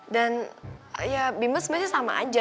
dan ya bimbal sebenarnya sama aja